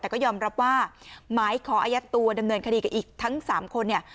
แต่ก็ยอมรับว่าหมายขออายัดตัวดำเนินคดีกับอีกทั้ง๓คนเนี่ย